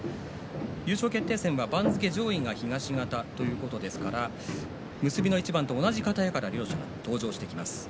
優勝決定戦は番付上位が東方ということですから結びの一番と同じ方屋から登場しています。